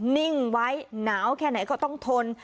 นิ่งไว้หนาวแค่ไหนก็ต้องทน